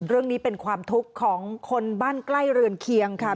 เรื่องนี้เป็นความทุกข์ของคนบ้านใกล้เรือนเคียงค่ะ